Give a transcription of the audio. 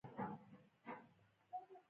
د مڼې دانه د سرطان لپاره مه خورئ